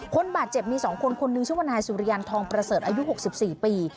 คนบาดเจ็บมี๒คนคนหนึ่งชื่อว่านายสุริยันทองประเสริฐอายุ๖๔ปี